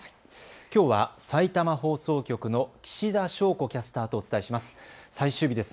きょうはさいたま放送局の岸田祥子キャスターとお伝えします。